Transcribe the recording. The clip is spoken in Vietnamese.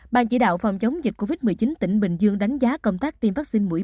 ban chỉ đạo phòng chống dịch covid một mươi chín tỉnh bình dương đánh giá công tác tiêm phát sinh mũi ba